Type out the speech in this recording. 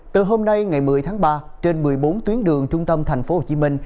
từ hôm nay ngày một mươi tháng ba trên một mươi bốn tuyến đường trung tâm thành phố hồ chí minh